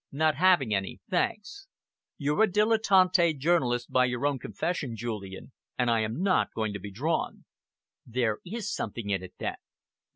"Not having any, thanks. You're a dilettante journalist by your own confession, Julian, and I am not going to be drawn." "There is something in it, then?"